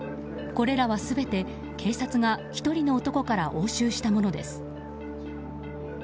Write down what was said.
これらは全て警察が１人の男から押収したものです。